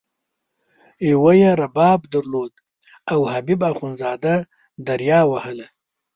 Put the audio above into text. یوه یې رباب درلود او حبیب اخندزاده دریا وهله.